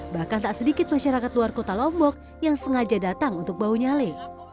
bahkan tak sedikit masyarakat luar kota lombok yang sengaja datang untuk bau nyale